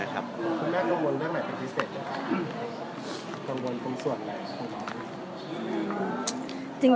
คุณแม่ตรงวลแล้วไหมเป็นความพิเศษไหมค่ะ